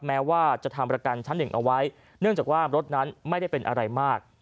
แม้ว่าจะทำประกันชั้นหนึ่งเอาไว้เนื่องจากว่ารถนั้นไม่ได้เป็นอะไรมาก